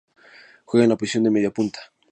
Juega en la posición de media punta.